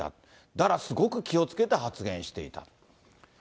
だからすごく気をつけて発言していたと。